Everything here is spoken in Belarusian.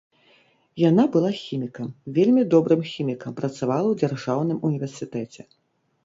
Яна была хімікам, вельмі добрым хімікам, працавала ў дзяржаўным універсітэце.